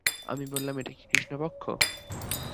আমি বললাম এটা কি কৃষ্ণপক্ষ?